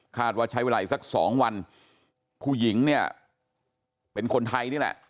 ว่าใช้เวลาอีกสักสองวันผู้หญิงเนี่ยเป็นคนไทยนี่แหละ